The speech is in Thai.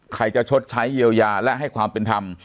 ใครจะชดใช้เยียวยาและให้ความเป็นธรรม